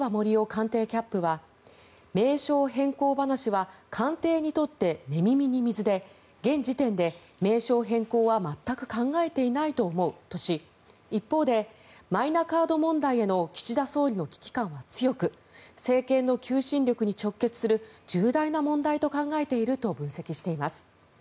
官邸キャップは名称変更話は官邸にとって寝耳に水で現時点で名称変更は全く考えていないと思うとし一方でマイナカード問題への岸田総理の危機感は強く政権の求心力に直結する重大な問題と考えていると分析しています。